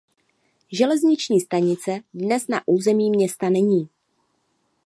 Železniční stanice dnes na území města není.